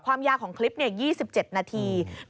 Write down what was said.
ความยาวของคลิป๒๗นาที